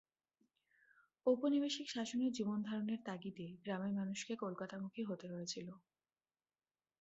ঔপনিবেশিক শাসনে জীবনধারণের তাগিদে গ্রামের মানুষকে কলকাতামুখী হতে হয়েছিল।